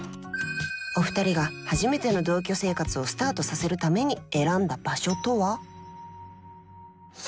お二人が初めての同居生活をスタートさせるために選んだ場所とは？